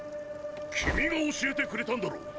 君が教えてくれたんだろ！